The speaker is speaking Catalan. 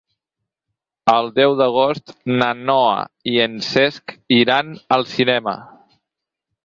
El deu d'agost na Noa i en Cesc iran al cinema.